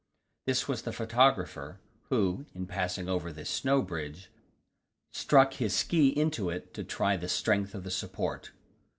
This was the photographer, who, in passing over this snow bridge, struck his ski into it to try the strength of the support.